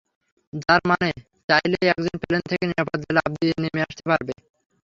যার মানে, চাইলেই একজন প্লেন থেকে নিরাপদে লাফ দিয়ে নেমে আসতে পারবে।